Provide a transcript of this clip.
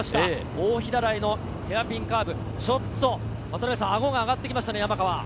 大平台のヘアピンカーブ、ちょっとあごが上がってきましたね、山川。